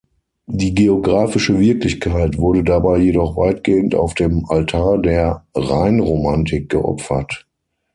Die geografische Wirklichkeit wurde dabei jedoch weitgehend auf dem Altar der Rheinromantik geopfert.